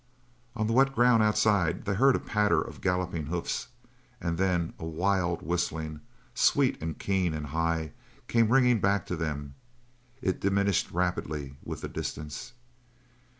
On the wet ground outside they heard a patter of galloping hoofs, and then a wild whistling, sweet and keen and high, came ringing back to them. It diminished rapidly with the distance.